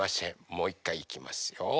もういっかいいきますよ。